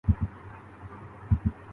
تو اکیلے میں، سامنے آنسو نہ بہائے۔